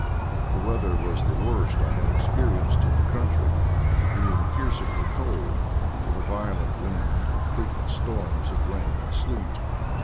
The weather was the worst I had experienced in the country, being piercingly cold, with a violent wind and frequent storms of rain and sleet.